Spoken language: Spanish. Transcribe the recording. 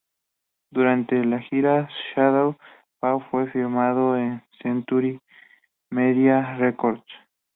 Durante la gira Shadows Fall fue firmado a Century Media Records.